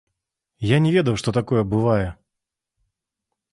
Я не ведаў, што такое бывае.